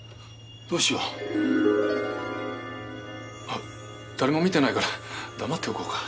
あっ誰も見てないから黙っておこうか。